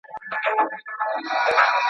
ایا د رواج زور له فزیکي زوره زیات دی؟